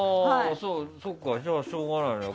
そっか、じゃあしょうがないね。